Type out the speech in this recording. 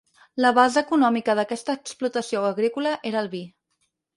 La base econòmica d'aquesta explotació agrícola era el vi.